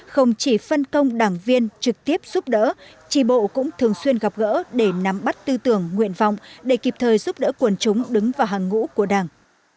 không chỉ phân công đảng viên trực tiếp giúp đỡ trì bộ cũng thường xuyên gặp gỡ để nắm bắt tư tưởng nguyện vọng để kịp thời giúp đỡ quần chúng đứng vào hàng ngũ của đảng